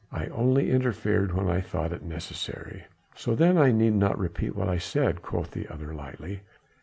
I only interfered when I thought it necessary." "So then I need not repeat what I said," quoth the other lightly.